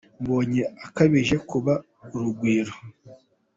Mbonye akabije kuba urugwiro